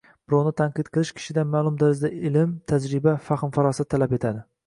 Birovni tanqid qilish kishidan ma’lum darajada ilm, tajriba, fahm-farosat talab etadi.